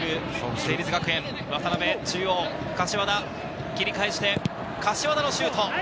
成立学園・渡辺、中央に柏田、切り替えして、柏田のシュート！